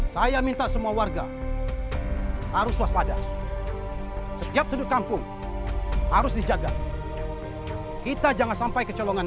saya minta semua warga harus waspada setiap sudut kampung harus dijaga kita jangan sampai kecolongan